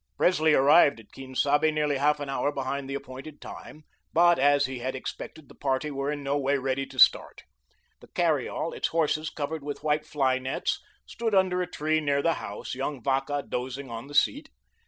Presley arrived at Quien Sabe nearly half an hour behind the appointed time; but, as he had expected, the party were in no way ready to start. The carry all, its horses covered with white fly nets, stood under a tree near the house, young Vacca dozing on the seat.